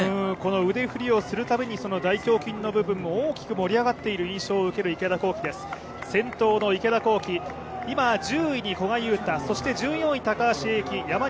腕振りをするたびに大胸筋の部分も大きく盛り上がっている印象を受ける池田向希です、先頭の池田向希「パーフェクトスティック」